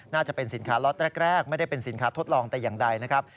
น่าจะเป็นสินค้าล็อตแรกไม่ได้เป็นสินค้าทดลองแต่อย่างใดนะครับ